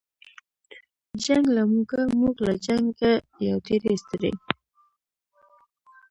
جنګ له موږه موږ له جنګه یو ډېر ستړي